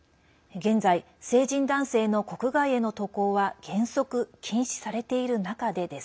現在、成人男性の国外への渡航は原則禁止されている中でです。